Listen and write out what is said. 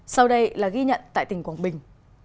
sau đây là ghi nhận tại tỉnh quảng bình